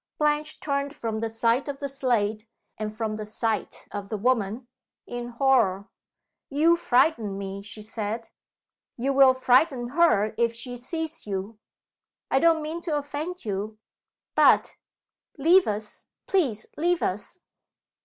Blanche turned from the sight of the slate, and from the sight of the woman, in horror. "You frighten me!" she said. "You will frighten her if she sees you. I don't mean to offend you; but leave us, please leave us."